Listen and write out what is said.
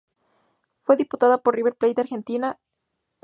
Fue disputada por River Plate de Argentina y el Alajuelense de Costa Rica.